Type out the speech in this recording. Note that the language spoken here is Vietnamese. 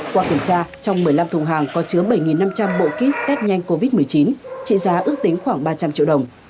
qua kiểm tra trong một mươi năm thùng hàng có chứa bảy năm trăm linh bộ kit test nhanh covid một mươi chín trị giá ước tính khoảng ba trăm linh triệu đồng